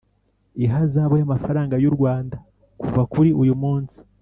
ihazabu y amafaranga y u Rwanda kuva kuri uyumunsi